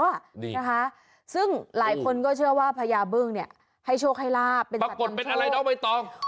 ดีครับฮะซึ่งหลายคนก็เชื่อว่าพญาบึงให้โชคให้ล่าเป็นศัตรูที่โดยปรากฏเป็นอะไรหรอกไม่ต้อง